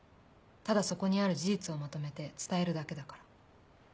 ただそこにある事実をまとめて伝えるだけだから。